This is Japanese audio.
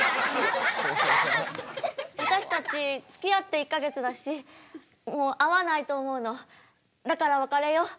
私たちつきあって１か月だし合わないと思うのだから別れよう。